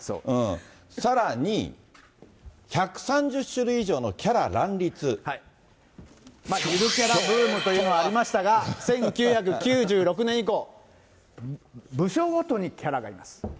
さらに、１３０種類以上のキャラゆるキャラブームというのがありましたが、１９９６年以降、部署ごとにキャラがいます。